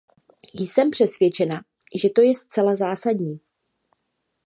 Jsem přesvědčena, že to je zcela zásadní.